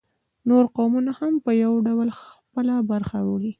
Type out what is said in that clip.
نور قومونه هم په یو ډول خپله برخه وړي